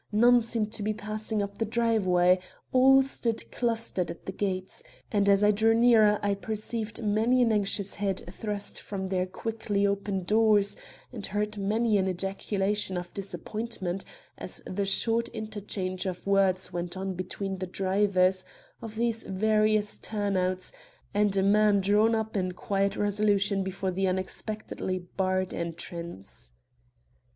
None seemed to be passing up the driveway; all stood clustered at the gates, and as I drew nearer I perceived many an anxious head thrust forth from their quickly opened doors and heard many an ejaculation of disappointment as the short interchange of words went on between the drivers of these various turnouts and a man drawn up in quiet resolution before the unexpectedly barred entrance.